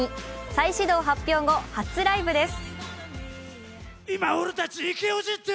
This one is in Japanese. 再始動発表後、初ライブです。